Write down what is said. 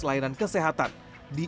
layanan kesehatan di